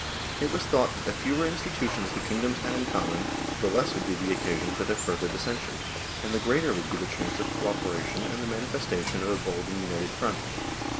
It was thought that the fewer institutions the kingdoms had in common, the less would be the occasion for their further dissension, and the greater would be the chance of co operation and the manifestation of a bold and united front.